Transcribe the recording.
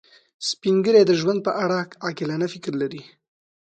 سپین ږیری د ژوند په اړه عاقلانه فکر لري